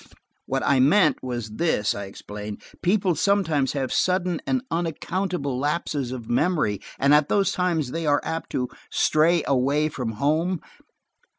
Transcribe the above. "What I meant was this," I explained. "People sometimes have sudden and unaccountable lapses of memory and at those times they are apt to stray away from home.